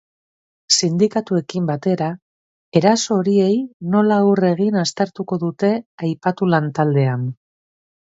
Sindikatuekin batera, eraso horiei nola aurre egin aztertuko dute aipatu lantaldean.